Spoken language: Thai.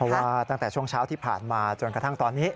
ว่าตั้งแต่ช่วงเช้าที่ผ่านมาจนกระทั่งตอนนี้